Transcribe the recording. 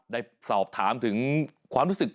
ได้สอบถามถึงความรู้สึก